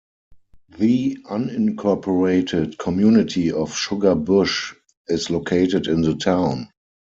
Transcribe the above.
The unincorporated community of Sugar Bush is located in the town.